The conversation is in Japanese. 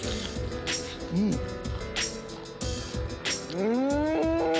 うん！